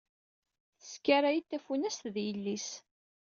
Teskaray-d tafunast d yelli-s.